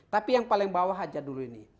tapi yang paling bawah aja dulu ini